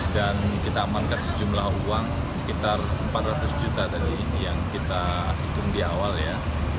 dan kita amankan sejumlah uang sekitar empat ratus juta tadi yang kita hitung di awal ya